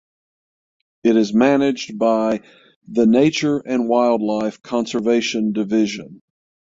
It is managed by the Nature and Wildlife Conservation Division.